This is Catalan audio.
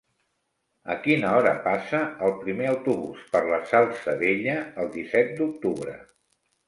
A quina hora passa el primer autobús per la Salzadella el disset d'octubre?